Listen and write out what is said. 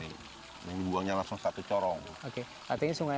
ini buangnya langsung satu corong